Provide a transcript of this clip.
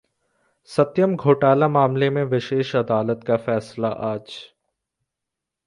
सत्यम घोटाला मामले में विशेष अदालत का फैसला आज